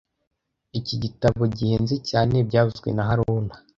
Iki gitabo gihenze cyane byavuzwe na haruna